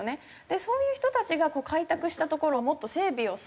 そういう人たちが開拓した所をもっと整備すれば